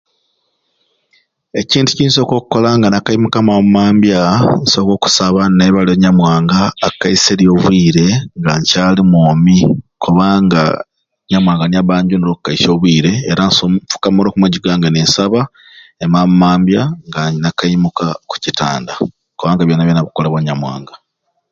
Ekintu kyensoka okola nga nakaimuka mambya mambya nsoka okusaba ne nebyala onyamwanga akeserye obwire nga nkyali mwomi kubanga onyamwanga niye aba anjunire okukesya obwire era nfukamira oku majjwi gange nensaba emambya mambya nga nakaimuka oku kitanda kubanga byona byona bikolebwa nyamwanga